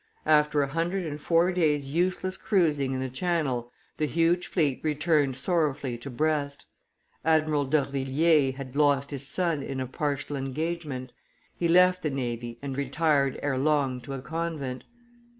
After a hundred and four days' useless cruising in the Channel, the huge fleet returned sorrowfully to Brest; Admiral d'Orvilliers had lost his son in a partial engagement; he left the navy and retired ere long to a convent.